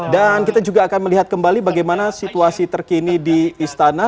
dan kita juga akan melihat kembali bagaimana situasi terkini di istana